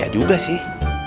ya juga sih